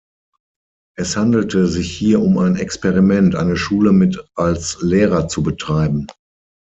Es handelte sich hier um ein Experiment, eine Schule mit als Lehrer zu betreiben.